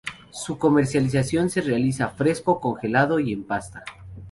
Su comercialización se realiza fresco, congelado y en pasta.